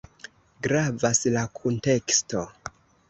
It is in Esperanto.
Gravas la kunteksto.